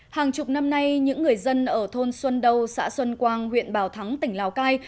hàng chục năm nay những người dân ở thôn xuân đông xã xuân quang huyện bảo thắng tỉnh lào cai